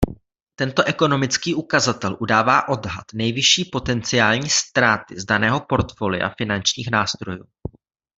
Tento ekonomický ukazatel udává odhad nejvyšší potenciální ztráty z daného portfolia finančních nástrojů.